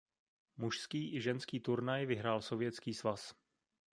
Mužský i ženský turnaj vyhrál Sovětský svaz.